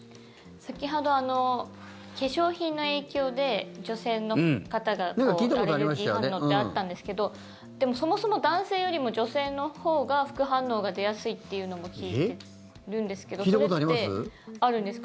先ほど、化粧品の影響で女性の方がアレルギー反応ってあったんですけどでも、そもそも男性よりも女性のほうが副反応が出やすいっていうのも聞いてるんですけどそれってあるんですか？